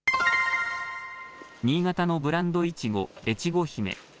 新潟のブランドいちご、越後姫。